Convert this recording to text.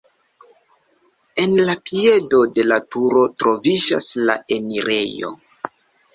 En la piedo de la turo troviĝas la enirejo.